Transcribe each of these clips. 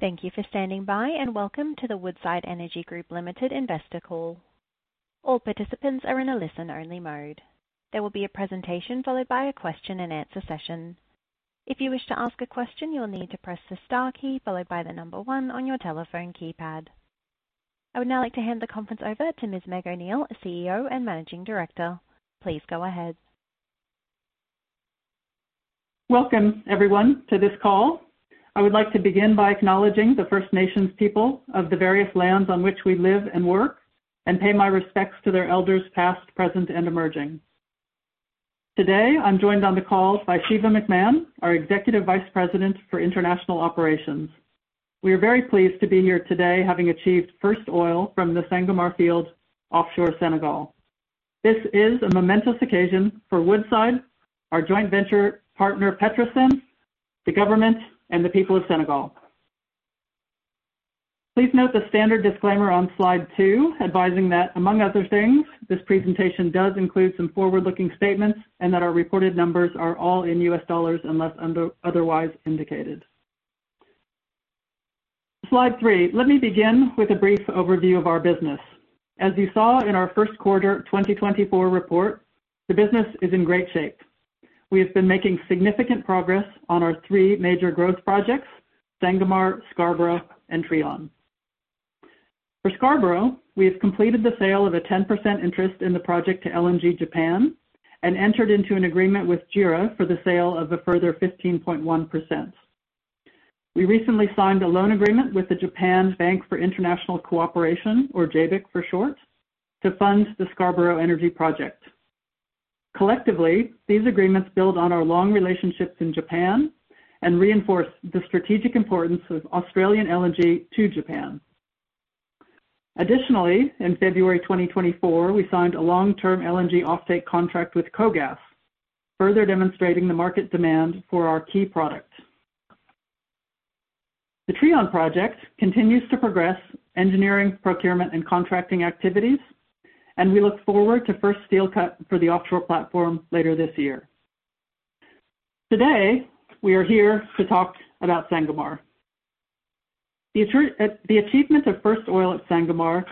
Thank you for standing by, and welcome to the Woodside Energy Group Limited investor call. All participants are in a listen-only mode. There will be a presentation followed by a question-and-answer session. If you wish to ask a question, you'll need to press the star key followed by the number one on your telephone keypad. I would now like to hand the conference over to Ms. Meg O'Neill, CEO and Managing Director. Please go ahead. Welcome, everyone, to this call. I would like to begin by acknowledging the First Nations people of the various lands on which we live and work, and pay my respects to their elders past, present, and emerging. Today, I'm joined on the call by Shiva McMahon, our Executive Vice President for International Operations. We are very pleased to be here today, having achieved first oil from the Sangomar Field, offshore Senegal. This is a momentous occasion for Woodside, our joint venture partner PETROSEN, the government, and the people of Senegal. Please note the standard disclaimer on slide 2, advising that, among other things, this presentation does include some forward-looking statements and that our reported numbers are all in U.S. dollars unless otherwise indicated. Slide 3. Let me begin with a brief overview of our business. As you saw in our Q1 2024 report, the business is in great shape. We have been making significant progress on our three major growth projects: Sangomar, Scarborough, and Trion. For Scarborough, we have completed the sale of a 10% interest in the project to LNG Japan and entered into an agreement with JERA for the sale of a further 15.1%. We recently signed a loan agreement with the Japan Bank for International Cooperation, or JBIC for short, to fund the Scarborough Energy project. Collectively, these agreements build on our long relationships in Japan and reinforce the strategic importance of Australian LNG to Japan. Additionally, in February 2024, we signed a long-term LNG offtake contract with KOGAS, further demonstrating the market demand for our key product. The Trion project continues to progress engineering, procurement, and contracting activities, and we look forward to first steel cut for the offshore platform later this year. Today, we are here to talk about Sangomar. The achievement of first oil at Sangomar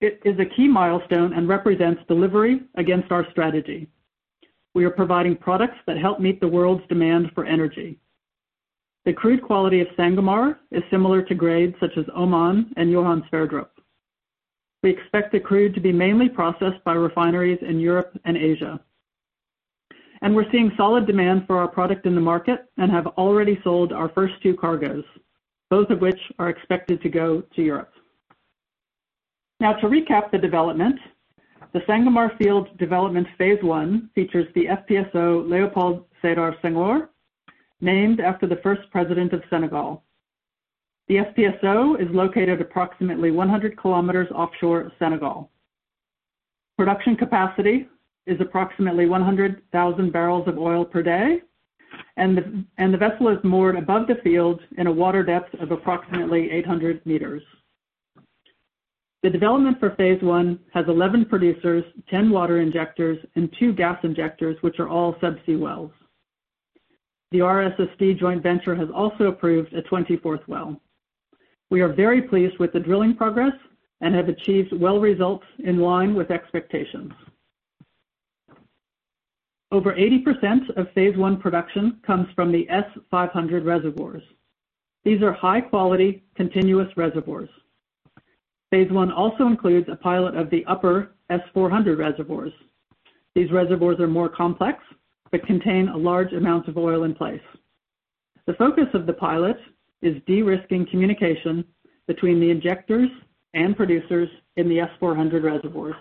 is a key milestone and represents delivery against our strategy. We are providing products that help meet the world's demand for energy. The crude quality of Sangomar is similar to grades such as Oman and Johan Sverdrup. We expect the crude to be mainly processed by refineries in Europe and Asia. And we're seeing solid demand for our product in the market and have already sold our first two cargoes, both of which are expected to go to Europe. Now, to recap the development, the Sangomar Field Development phase I features the FPSO Léopold Sédar Senghor, named after the first president of Senegal. The FPSO is located approximately 100 km offshore Senegal. Production capacity is approximately 100,000 barrels of oil per day, and the vessel is moored above the field in a water depth of approximately 800 m. The development for phase I has 11 producers, 10 water injectors, and two gas injectors, which are all subsea wells. The RSSD joint venture has also approved a 24th well. We are very pleased with the drilling progress and have achieved well results in line with expectations. Over 80% of phase I production comes from the S500 reservoirs. These are high-quality, continuous reservoirs. Phase I also includes a pilot of the upper S400 reservoirs. These reservoirs are more complex but contain large amounts of oil in place. The focus of the pilot is de-risking communication between the injectors and producers in the S400 reservoirs.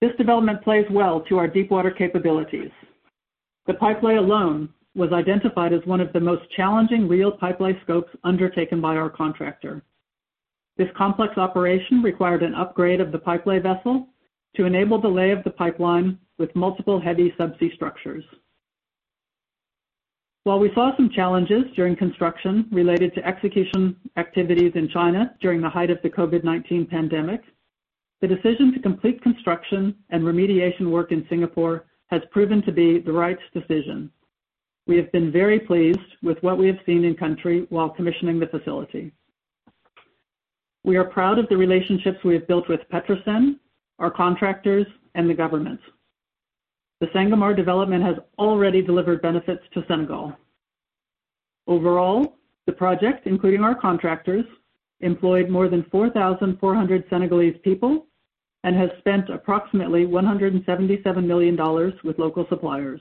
This development plays well to our deep-water capabilities. The pipelay alone was identified as one of the most challenging real pipelay scopes undertaken by our contractor. This complex operation required an upgrade of the pipelay vessel to enable the lay of the pipeline with multiple heavy subsea structures. While we saw some challenges during construction related to execution activities in China during the height of the COVID-19 pandemic, the decision to complete construction and remediation work in Singapore has proven to be the right decision. We have been very pleased with what we have seen in country while commissioning the facility. We are proud of the relationships we have built with PETROSEN, our contractors, and the government. The Sangomar development has already delivered benefits to Senegal. Overall, the project, including our contractors, employed more than 4,400 Senegalese people and has spent approximately $177 million with local suppliers.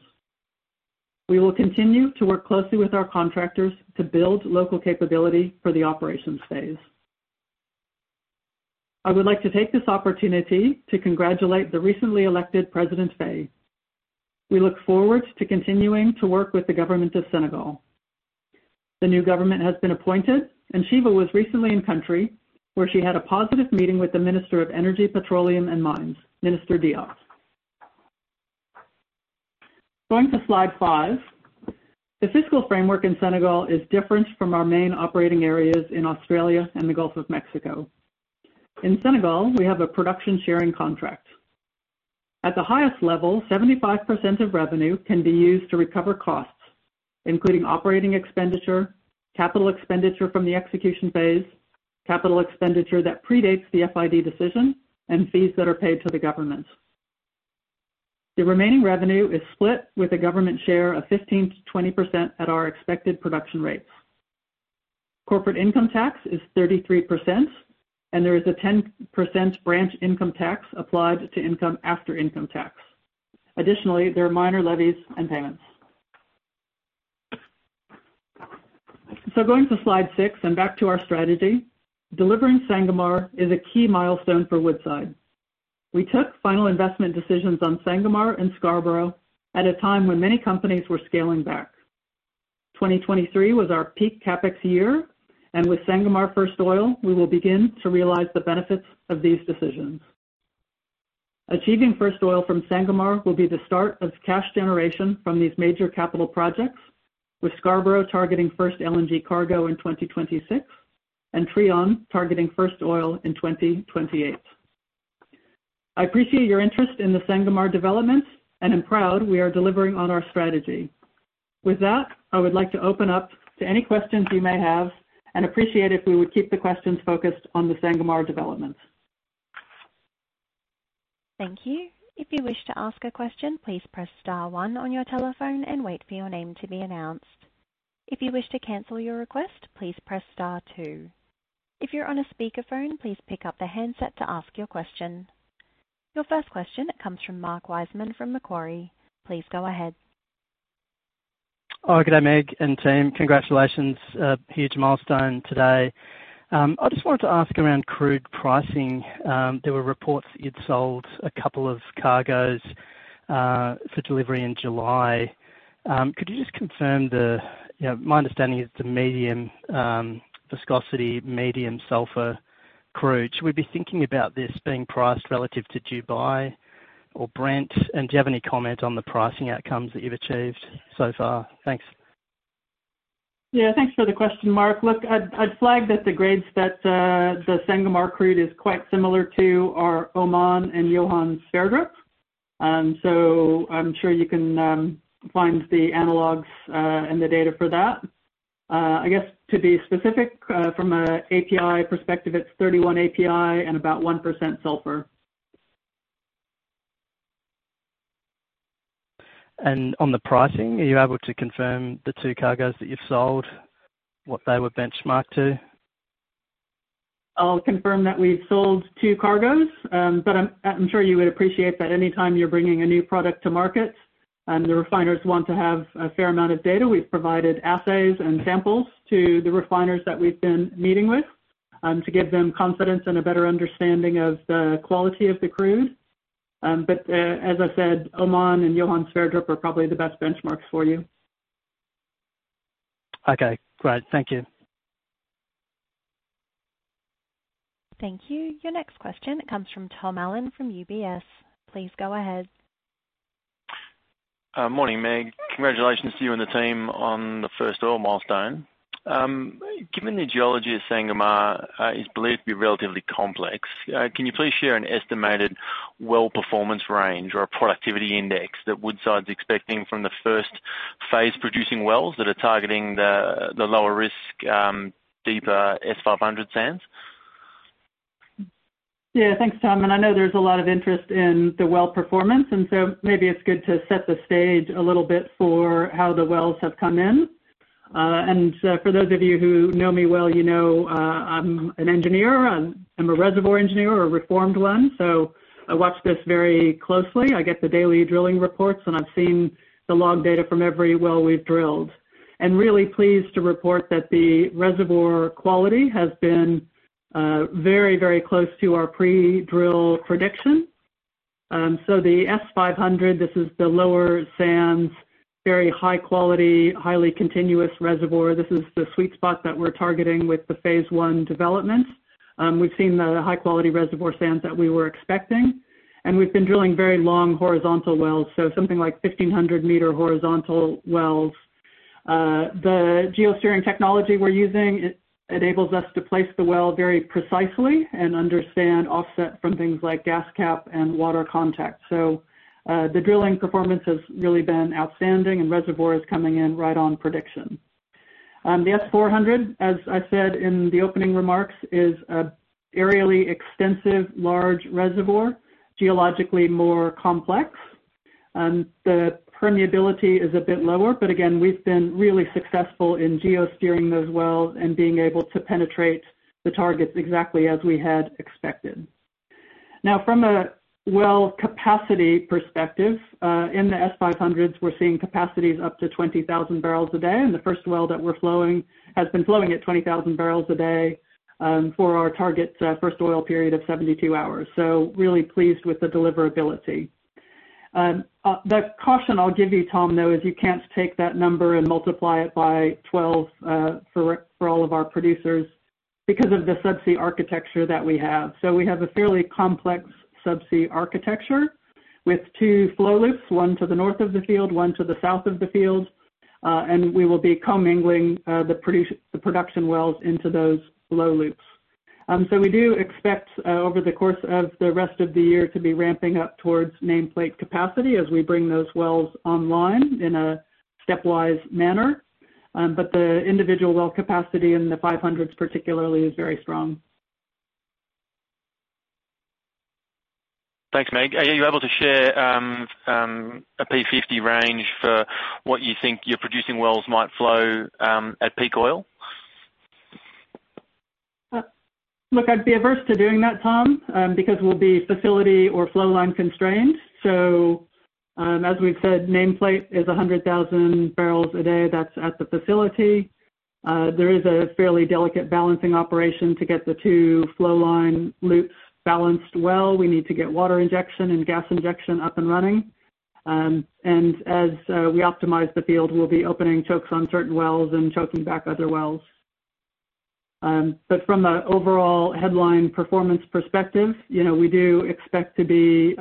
We will continue to work closely with our contractors to build local capability for the operations phase. I would like to take this opportunity to congratulate the recently elected President Faye. We look forward to continuing to work with the government of Senegal. The new government has been appointed, and Shiva was recently in country where she had a positive meeting with the Minister of Energy, Petroleum, and Mines, Minister Diop. Going to slide five, the fiscal framework in Senegal is different from our main operating areas in Australia and the Gulf of Mexico. In Senegal, we have a production-sharing contract. At the highest level, 75% of revenue can be used to recover costs, including operating expenditure, capital expenditure from the execution phase, capital expenditure that predates the FID decision, and fees that are paid to the government. The remaining revenue is split with a government share of 15%-20% at our expected production rates. Corporate income tax is 33%, and there is a 10% branch income tax applied to income after income tax. Additionally, there are minor levies and payments. Going to slide 6 and back to our strategy, delivering Sangomar is a key milestone for Woodside. We took final investment decisions on Sangomar and Scarborough at a time when many companies were scaling back, 2023 was our peak CapEx year, and with Sangomar first oil, we will begin to realize the benefits of these decisions. Achieving first oil from Sangomar will be the start of cash generation from these major capital projects, with Scarborough targeting first LNG cargo in 2026 and Trion targeting first oil in 2028. I appreciate your interest in the Sangomar development and am proud we are delivering on our strategy. With that, I would like to open up to any questions you may have and appreciate if we would keep the questions focused on the Sangomar development. Thank you. If you wish to ask a question, please press star one on your telephone and wait for your name to be announced. If you wish to cancel your request, please press star two. If you're on a speakerphone, please pick up the handset to ask your question. Your first question comes from Mark Wiseman from Macquarie. Please go ahead. Oh, good day, Meg and team. Congratulations. Huge milestone today. I just wanted to ask around crude pricing. There were reports that you'd sold a couple of cargoes for delivery in July. Could you just confirm? My understanding is the medium viscosity, medium sulfur crude. Should we be thinking about this being priced relative to Dubai or Brent? And do you have any comment on the pricing outcomes that you've achieved so far? Thanks. Yeah. Thanks for the question, Mark. Look, I'd flag that the grades that the Sangomar crude is quite similar to are Oman and Johan Sverdrup. So I'm sure you can find the analogs and the data for that. I guess to be specific, from an API perspective, it's 31 API and about 1% sulfur. And on the pricing, are you able to confirm the two cargoes that you've sold, what they were benchmarked to? I'll confirm that we've sold two cargoes, but I'm sure you would appreciate that any time you're bringing a new product to market, the refiners want to have a fair amount of data. We've provided assays and samples to the refiners that we've been meeting with to give them confidence and a better understanding of the quality of the crude. But as I said, Oman and Johan Sverdrup are probably the best benchmarks for you. Okay, great. Thank you. Thank you. Your next question comes from Tom Allen from UBS. Please go ahead. Morning, Meg. Congratulations to you and the team on the first oil milestone. Given the geology of Sangomar, it's believed to be relatively complex. Can you please share an estimated well performance range or productivity index that Woodside's expecting from the first phase producing wells that are targeting the lower risk, deeper S500 sands? Yeah, thanks, Tom. I know there's a lot of interest in the well performance, and so maybe it's good to set the stage a little bit for how the wells have come in. For those of you who know me well, you know I'm an engineer. I'm a reservoir engineer, a reformed one, so I watch this very closely. I get the daily drilling reports, and I've seen the log data from every well we've drilled. And really pleased to report that the reservoir quality has been very, very close to our pre-drill prediction. So the S500, this is the lower sands, very high-quality, highly continuous reservoir. This is the sweet spot that we're targeting with the phase I development. We've seen the high-quality reservoir sands that we were expecting, and we've been drilling very long horizontal wells, so something like 1,500-meter horizontal wells. The geosteering technology we're using enables us to place the well very precisely and understand offset from things like gas cap and water contact. So the drilling performance has really been outstanding, and reservoir is coming in right on prediction. The S400, as I said in the opening remarks, is an areally extensive, large reservoir, geologically more complex. The permeability is a bit lower, but again, we've been really successful in geosteering those wells and being able to penetrate the targets exactly as we had expected. Now, from a well capacity perspective, in the S500s, we're seeing capacities up to 20,000 barrels a day, and the first well that we're flowing has been flowing at 20,000 barrels a day for our target first oil period of 72 hours. So really pleased with the deliverability. The caution I'll give you, Tom, though, is you can't take that number and multiply it by 12 for all of our producers because of the subsea architecture that we have. So we have a fairly complex subsea architecture with two flow loops, one to the north of the field, one to the south of the field, and we will be co-mingling the production wells into those flow loops. So we do expect over the course of the rest of the year to be ramping up towards nameplate capacity as we bring those wells online in a stepwise manner, but the individual well capacity in the 500s particularly is very strong. Thanks, Meg. Are you able to share a P50 range for what you think your producing wells might flow at peak oil? Look, I'd be averse to doing that, Tom, because we'll be facility or flow line constrained. So as we've said, nameplate is 100,000 barrels a day. That's at the facility. There is a fairly delicate balancing operation to get the two flow line loops balanced well. We need to get water injection and gas injection up and running. And as we optimize the field, we'll be opening chokes on certain wells and choking back other wells. But from an overall headline performance perspective, we do expect to be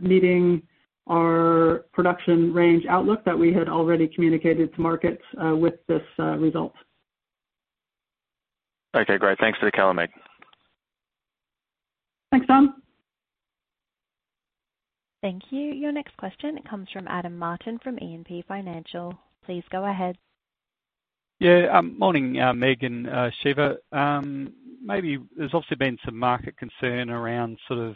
meeting our production range outlook that we had already communicated to markets with this result. Okay, great. Thanks for the call, Meg. Thanks, Tom. Thank you. Your next question comes from Adam Martin from E&P Financial. Please go ahead. Yeah, morning, Meg and Shiva. Maybe there's obviously been some market concern around sort of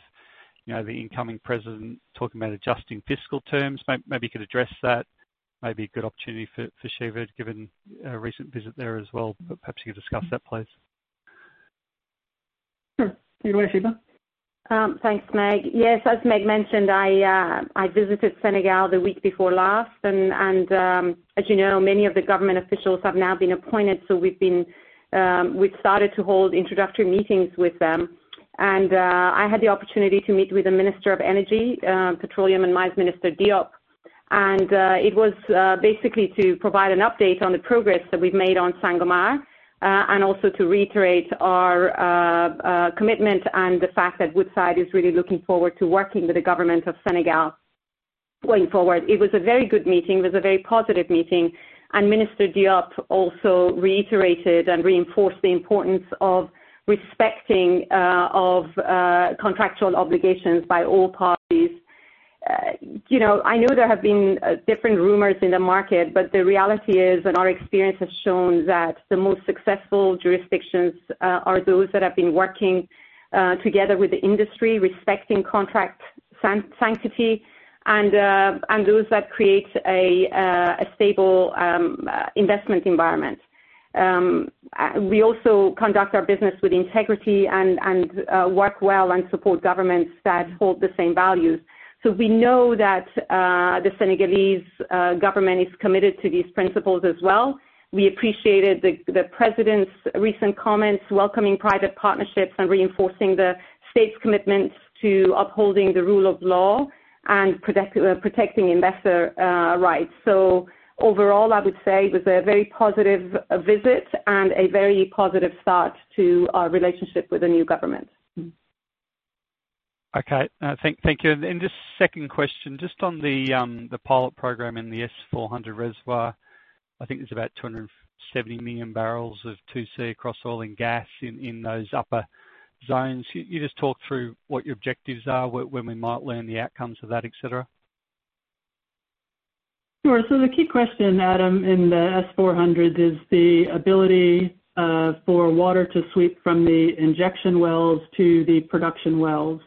the incoming president talking about adjusting fiscal terms. Maybe you could address that. Maybe a good opportunity for Shiva given a recent visit there as well. But perhaps you could discuss that, please. Sure. You go ahead, Shiva. Thanks, Meg. Yes, as Meg mentioned, I visited Senegal the week before last, and as you know, many of the government officials have now been appointed, so we've started to hold introductory meetings with them. And I had the opportunity to meet with the Minister of Energy, Petroleum and Mines, Minister Diop, and it was basically to provide an update on the progress that we've made on Sangomar and also to reiterate our commitment and the fact that Woodside is really looking forward to working with the government of Senegal going forward. It was a very good meeting. It was a very positive meeting, and Minister Diop also reiterated and reinforced the importance of respecting contractual obligations by all parties. I know there have been different rumors in the market, but the reality is, and our experience has shown, that the most successful jurisdictions are those that have been working together with the industry, respecting contract sanctity, and those that create a stable investment environment. We also conduct our business with integrity and work well and support governments that hold the same values. So we know that the Senegalese government is committed to these principles as well. We appreciated the president's recent comments, welcoming private partnerships and reinforcing the state's commitment to upholding the rule of law and protecting investor rights. So overall, I would say it was a very positive visit and a very positive start to our relationship with the new government. Okay, thank you. And then this second question, just on the pilot program in the S400 reservoir, I think there's about 270 million barrels of 2C contingent oil and gas in those upper zones. Can you just talk through what your objectives are, when we might learn the outcomes of that, etc.? Sure. So the key question, Adam, in the S400s is the ability for water to sweep from the injection wells to the production wells.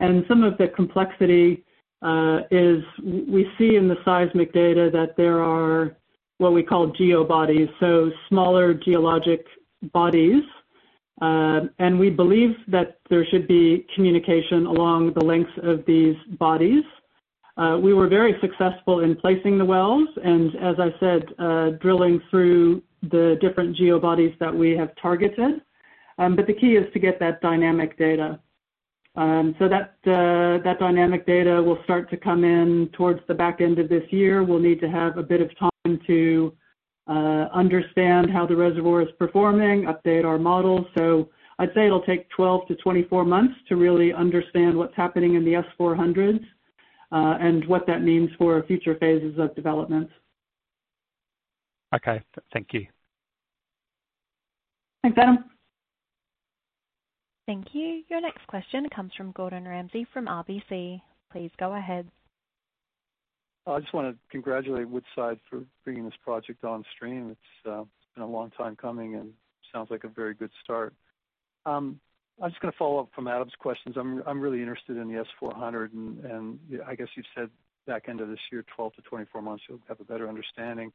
And some of the complexity is we see in the seismic data that there are what we call geobodies, so smaller geologic bodies. And we believe that there should be communication along the lengths of these bodies. We were very successful in placing the wells and, as I said, drilling through the different geo bodies that we have targeted. But the key is to get that dynamic data. So that dynamic data will start to come in towards the back end of this year. We'll need to have a bit of time to understand how the reservoir is performing, update our models. I'd say it'll take 12-24 months to really understand what's happening in the S400s and what that means for future phases of development. Okay, thank you. Thanks, Adam. Thank you. Your next question comes from Gordon Ramsay from RBC. Please go ahead. I just want to congratulate Woodside for bringing this project on stream. It's been a long time coming and sounds like a very good start. I'm just going to follow up from Adam's questions. I'm really interested in the S400, and I guess you've said back end of this year, 12-24 months, you'll have a better understanding.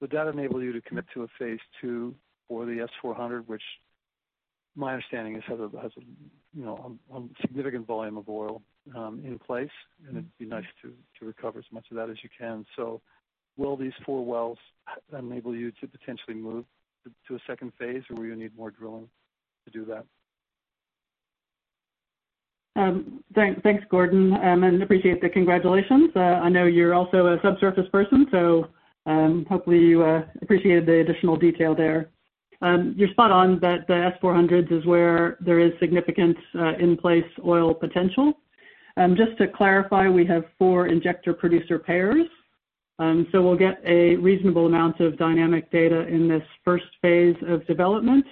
Would that enable you to commit to a phase II for the S400, which my understanding is has a significant volume of oil in place, and it'd be nice to recover as much of that as you can. So will these four wells enable you to potentially move to a second phase or will you need more drilling to do that? Thanks, Gordon, and appreciate the congratulations. I know you're also a subsurface person, so hopefully you appreciated the additional detail there. You're spot on that the S400s is where there is significant in place oil potential. Just to clarify, we have four injector-producer pairs, so we'll get a reasonable amount of dynamic data in this first phase of development,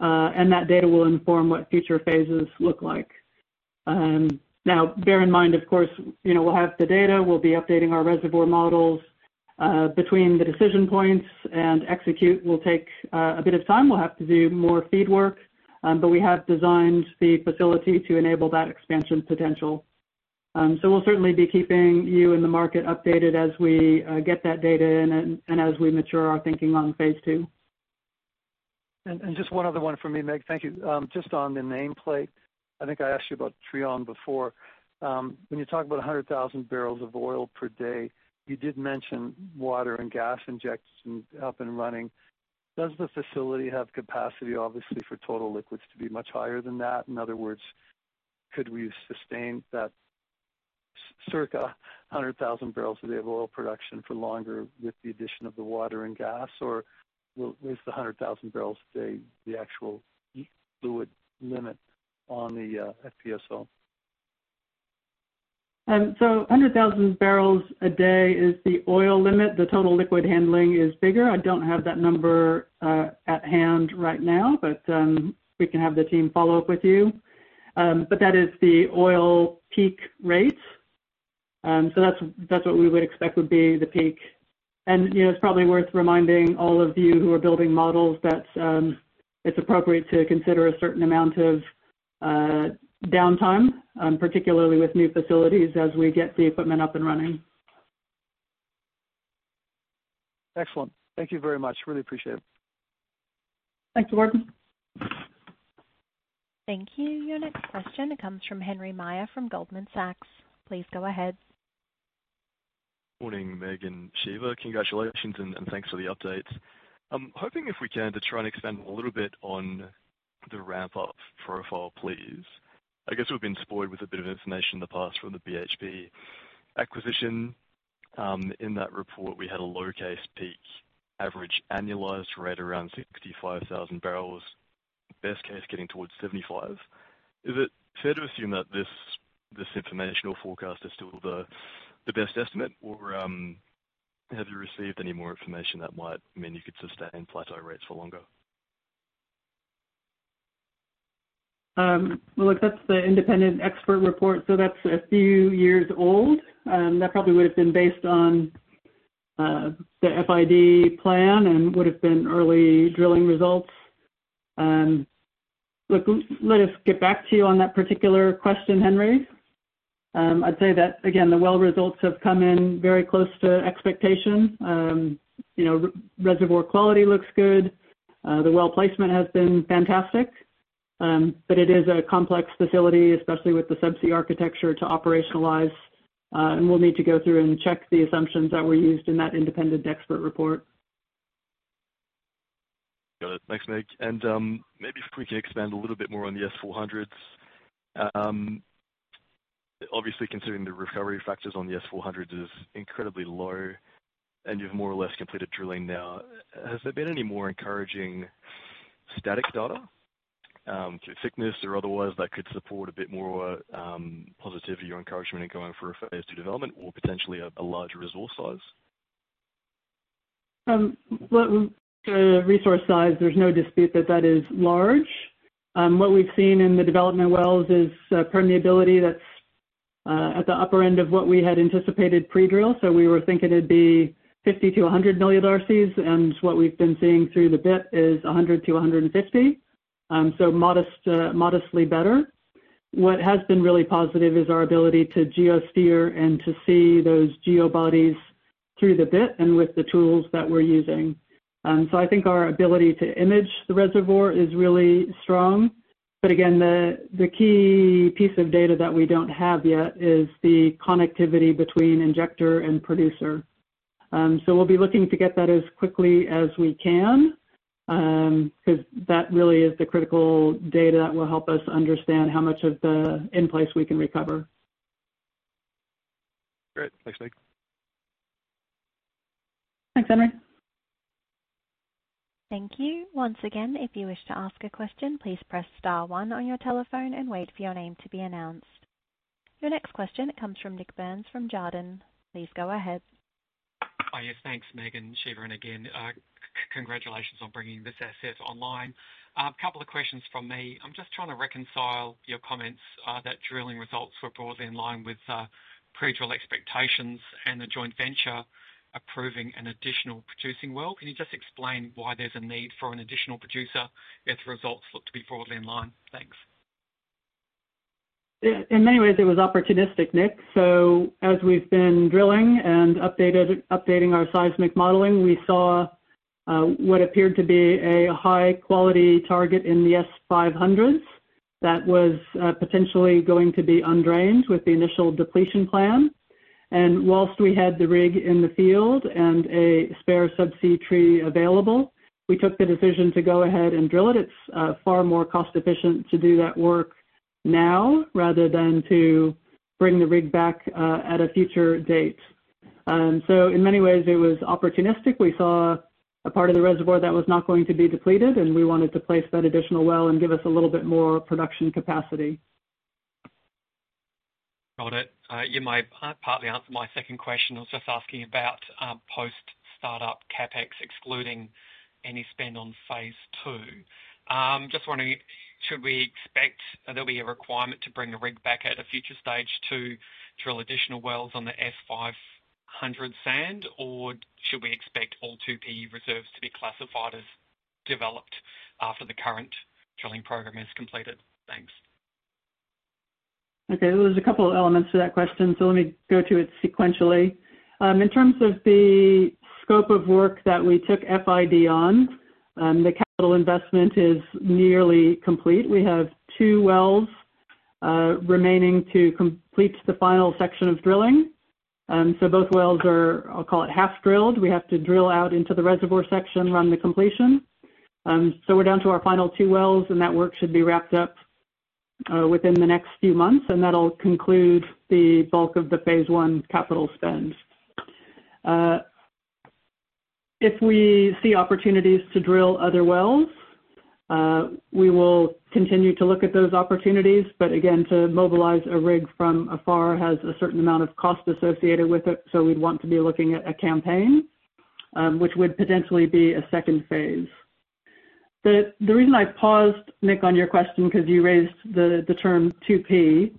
and that data will inform what future phases look like. Now, bear in mind, of course, we'll have the data. We'll be updating our reservoir models. Between the decision points and execute, it will take a bit of time. We'll have to do more feed work, but we have designed the facility to enable that expansion potential. So we'll certainly be keeping you and the market updated as we get that data and as we mature our thinking on phase II. And just one other one from me, Meg. Thank you. Just on the nameplate, I think I asked you about Trion before. When you talk about 100,000 barrels of oil per day, you did mention water and gas injection up and running. Does the facility have capacity, obviously, for total liquids to be much higher than that? In other words, could we sustain that circa 100,000 barrels a day of oil production for longer with the addition of the water and gas, or is the 100,000 barrels a day the actual fluid limit on the FPSO? So 100,000 barrels a day is the oil limit. The total liquid handling is bigger. I don't have that number at hand right now, but we can have the team follow up with you. But that is the oil peak rate. So that's what we would expect would be the peak. And it's probably worth reminding all of you who are building models that it's appropriate to consider a certain amount of downtime, particularly with new facilities as we get the equipment up and running. Excellent. Thank you very much. Really appreciate it. Thanks, Gordon. Thank you. Your next question comes from Henry Meyer from Goldman Sachs. Please go ahead. Morning, Meg and Shiva. Congratulations and thanks for the updates. I'm hoping, if we can, to try and expand a little bit on the ramp-up profile, please. I guess we've been spoiled with a bit of information in the past from the BHP acquisition. In that report, we had a low-case peak average annualized rate around 65,000 barrels, best case getting towards 75,000. Is it fair to assume that this informational forecast is still the best estimate, or have you received any more information that might mean you could sustain plateau rates for longer? Well, look, that's the independent expert report, so that's a few years old. That probably would have been based on the FID plan and would have been early drilling results. Look, let us get back to you on that particular question, Henry. I'd say that, again, the well results have come in very close to expectation. Reservoir quality looks good. The well placement has been fantastic, but it is a complex facility, especially with the subsea architecture to operationalize, and we'll need to go through and check the assumptions that were used in that independent expert report. Got it. Thanks, Meg. And maybe if we can expand a little bit more on the S400s. Obviously, considering the recovery factors on the S400s is incredibly low, and you've more or less completed drilling now, has there been any more encouraging static data, thickness or otherwise, that could support a bit more positivity or encouragement in going for a phase II development or potentially a larger resource size? Look, the resource size, there's no dispute that that is large. What we've seen in the development wells is permeability that's at the upper end of what we had anticipated pre-drill. So we were thinking it'd be 50-100 [mD], and what we've been seeing through the bit is 100-150, so modestly better. What has been really positive is our ability to geosteer and to see those geo bodies through the bit and with the tools that we're using. So I think our ability to image the reservoir is really strong. But again, the key piece of data that we don't have yet is the connectivity between injector and producer. So we'll be looking to get that as quickly as we can because that really is the critical data that will help us understand how much of the in place we can recover. Great. Thanks, Meg. Thanks, Henry. Thank you. Once again, if you wish to ask a question, please press star one on your telephone and wait for your name to be announced. Your next question comes from Nik Burns from Jarden. Please go ahead. Hi, yes, thanks, Meg and Shiva. And again, congratulations on bringing this asset online. A couple of questions from me. I'm just trying to reconcile your comments that drilling results were broadly in line with pre-drill expectations and the joint venture approving an additional producing well. Can you just explain why there's a need for an additional producer if the results look to be broadly in line? Thanks. In many ways, it was opportunistic, Nick. So as we've been drilling and updating our seismic modeling, we saw what appeared to be a high-quality target in the S500s that was potentially going to be undrained with the initial depletion plan. While we had the rig in the field and a spare subsea tree available, we took the decision to go ahead and drill it. It's far more cost-efficient to do that work now rather than to bring the rig back at a future date. So in many ways, it was opportunistic. We saw a part of the reservoir that was not going to be depleted, and we wanted to place that additional well and give us a little bit more production capacity. Got it. You may partly answer my second question. I was just asking about post-startup CapEx excluding any spend on phase II. Just wondering, should we expect there'll be a requirement to bring the rig back at a future stage two drill additional wells on the S500 sand, or should we expect all 2P reserves to be classified as developed after the current drilling program is completed? Thanks. Okay, there was a couple of elements to that question, so let me go to it sequentially. In terms of the scope of work that we took FID on, the capital investment is nearly complete. We have two wells remaining to complete the final section of drilling. So both wells are, I'll call it, half-drilled. We have to drill out into the reservoir section, run the completion. So we're down to our final two wells, and that work should be wrapped up within the next few months, and that'll conclude the bulk of the phase I capital spend. If we see opportunities to drill other wells, we will continue to look at those opportunities. But again, to mobilize a rig from afar has a certain amount of cost associated with it, so we'd want to be looking at a campaign, which would potentially be a phase II. The reason I paused, Nik, on your question because you raised the term 2P.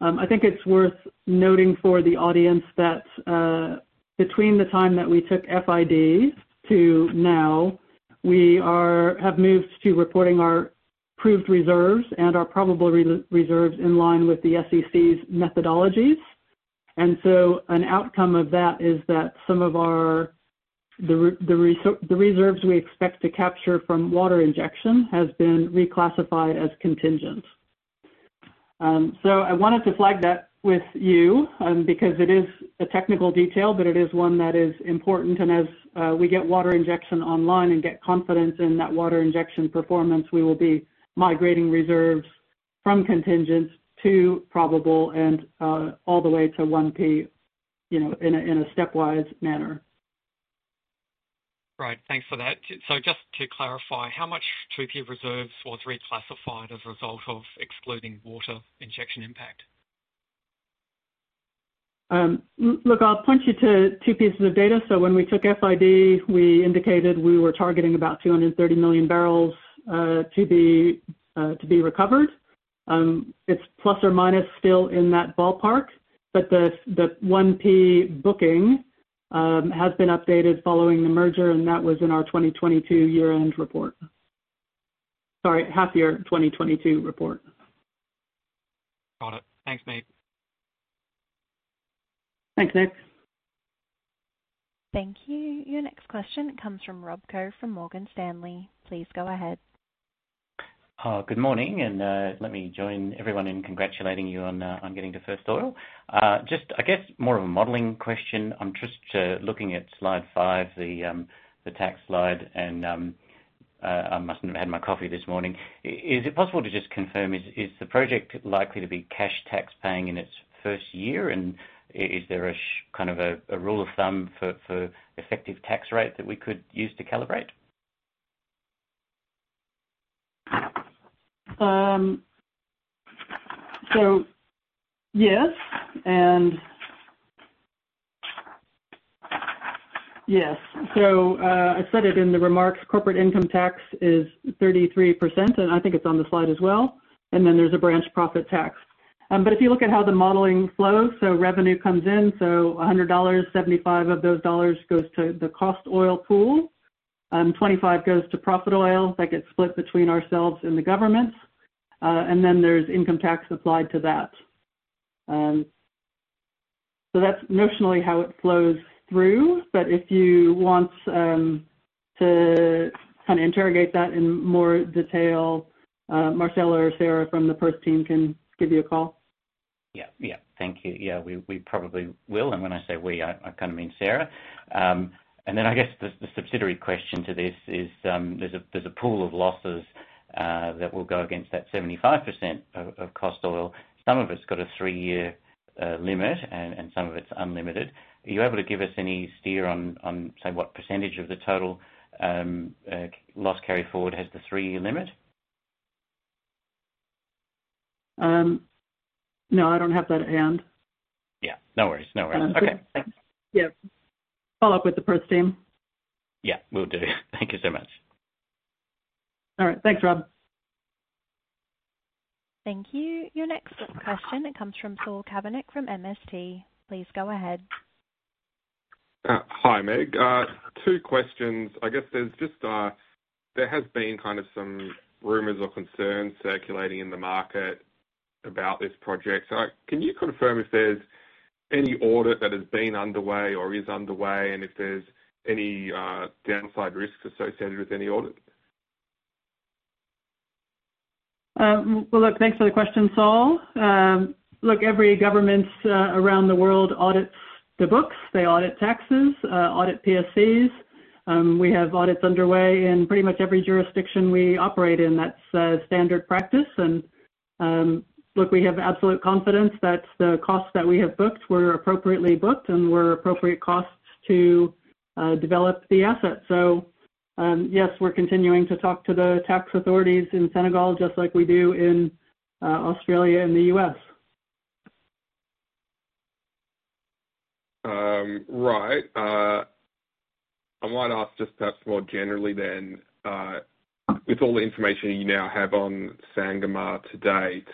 I think it's worth noting for the audience that between the time that we took FID to now, we have moved to reporting our proved reserves and our probable reserves in line with the SEC's methodologies. And so an outcome of that is that some of the reserves we expect to capture from water injection have been reclassified as contingent. So I wanted to flag that with you because it is a technical detail, but it is one that is important. And as we get water injection online and get confidence in that water injection performance, we will be migrating reserves from contingent to probable and all the way to 1P in a stepwise manner. Right. Thanks for that. So just to clarify, how much 2P reserves was reclassified as a result of excluding water injection impact? Look, I'll point you to 2 pieces of data. So when we took FID, we indicated we were targeting about 230 million barrels to be recovered. It's ± still in that ballpark, but the 1P booking has been updated following the merger, and that was in our 2022 year-end report. Sorry, half-year 2022 report. Got it. Thanks, Meg. Thanks, Nik. Thank you. Your next question comes from Rob Koh from Morgan Stanley. Please go ahead. Good morning, and let me join everyone in congratulating you on getting to first oil. Just, I guess, more of a modeling question. I'm just looking at slide 5, the tax slide, and I mustn't have had my coffee this morning. Is it possible to just confirm, is the project likely to be cash tax paying in its first year, and is there kind of a rule of thumb for effective tax rate that we could use to calibrate? So yes, and yes. So I said it in the remarks, corporate income tax is 33%, and I think it's on the slide as well, and then there's a branch profit tax. But if you look at how the modeling flows, so revenue comes in, so $100, $75 of those dollars goes to the cost oil pool, $25 goes to profit oil that gets split between ourselves and the government, and then there's income tax applied to that. So that's notionally how it flows through, but if you want to kind of interrogate that in more detail, Marcello or Sarah from the Perth team can give you a call. Yeah. Thank you. Yeah, we probably will. And when I say we, I kind of mean Sarah. And then I guess the subsidiary question to this is there's a pool of losses that will go against that 75% of cost oil. Some of it's got a three-year limit, and some of it's unlimited. Are you able to give us any steer on, say, what percentage of the total loss carry forward has the three-year limit? No, I don't have that at hand. Yeah. No worries. Okay. Yeah. Follow up with the first team. Yeah. Will do. Thank you so much. All right. Thanks, Rob. Thank you. Your next question, it comes from Saul Kavonic from MST. Please go ahead. Hi, Meg. Two questions. I guess there has been kind of some rumors or concerns circulating in the market about this project. Can you confirm if there's any audit that has been underway or is underway, and if there's any downside risks associated with any audit? Well, look, thanks for the question, Saul. Look, every government around the world audits the books. They audit taxes, audit PSCs. We have audits underway in pretty much every jurisdiction we operate in. That's standard practice. And look, we have absolute confidence that the costs that we have booked were appropriately booked and were appropriate costs to develop the asset. So yes, we're continuing to talk to the tax authorities in Senegal just like we do in Australia and the U.S. Right. I might ask just perhaps more generally then, with all the information you now have on Sangomar to date,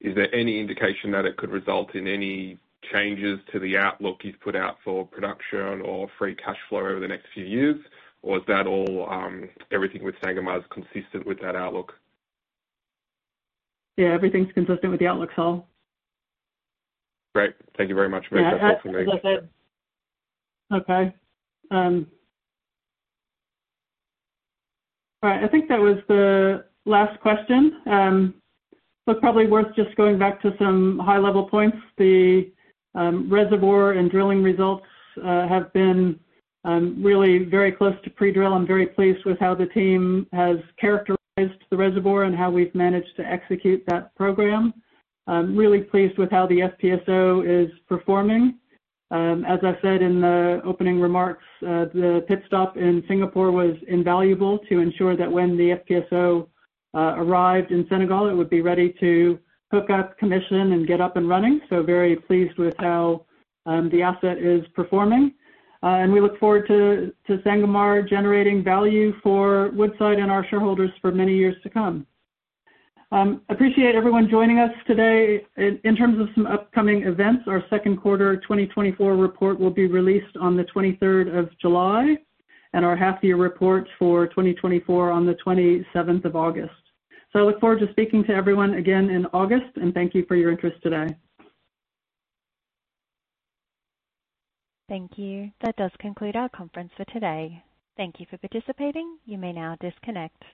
is there any indication that it could result in any changes to the outlook you've put out for production or free cash flow over the next few years, or is that all everything with Sangomar is consistent with that outlook? Yeah, everything's consistent with the outlook, Saul. Great. Thank you very much, Meg. That's all from me. Yeah, that's it. Okay. All right. I think that was the last question. Look, probably worth just going back to some high-level points. The reservoir and drilling results have been really very close to pre-drill. I'm very pleased with how the team has characterized the reservoir and how we've managed to execute that program. Really pleased with how the FPSO is performing. As I said in the opening remarks, the pit stop in Singapore was invaluable to ensure that when the FPSO arrived in Senegal, it would be ready to hook up, commission, and get up and running. So very pleased with how the asset is performing. And we look forward to Sangomar generating value for Woodside and our shareholders for many years to come. Appreciate everyone joining us today. In terms of some upcoming events, our Q2 2024 report will be released on the 23rd of July, and our half-year report for 2024 on the 27th of August. So I look forward to speaking to everyone again in August, and thank you for your interest today. Thank you. That does conclude our conference for today. Thank you for participating. You may now disconnect.